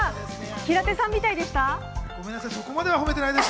平手さんみたいでした？